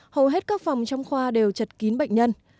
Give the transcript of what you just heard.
hầu hết các phòng trong khoa đều chật kín bệnh nhân